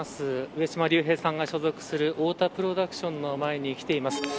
上島竜兵さんが所属する太田プロダクションの前に来ています。